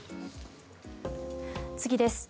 次です。